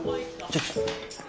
ちょっと。